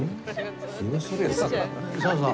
そうそう。